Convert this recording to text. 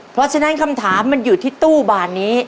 เพราะฉะนั้นคำถามมันอยู่ที่ตู้บานนี้